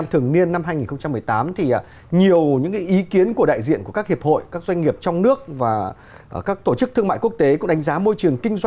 hẹn gặp lại